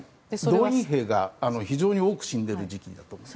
動員兵が非常に多く死んでいる時期だと思います。